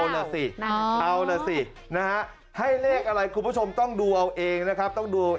ให้เรียกอะไรคุณผู้ชมต้องดูเอาเองนะครับ